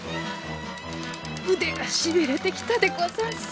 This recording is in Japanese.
うでがしびれてきたでござんす。